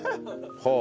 はあ。